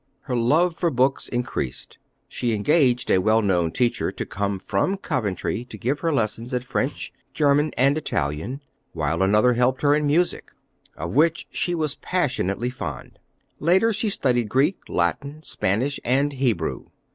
Her love for books increased. She engaged a well known teacher to come from Coventry and give her lessons in French, German, and Italian, while another helped her in music, of which she was passionately fond. Later, she studied Greek, Latin, Spanish, and Hebrew.